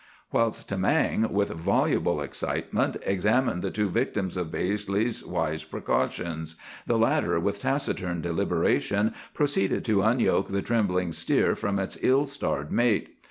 "Whilst Tamang, with voluble excitement, examined the two victims of Baizley's wise precautions, the latter with taciturn deliberation proceeded to unyoke the trembling steer from its ill starred mate.